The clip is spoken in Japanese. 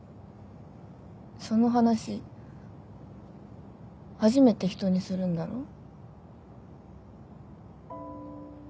その話初めてひとにするんだろう？